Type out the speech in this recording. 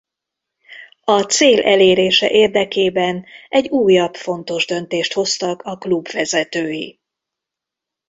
A cél elérése érdekében egy újabb fontos döntést hoztak a klub vezetői.